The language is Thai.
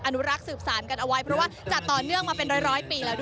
อนุรักษ์สืบสารกันเอาไว้เพราะว่าจัดต่อเนื่องมาเป็นร้อยปีแล้วด้วย